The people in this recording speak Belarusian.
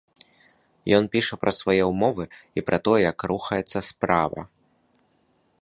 Ён піша пра свае ўмовы, пра тое, як рухаецца справа.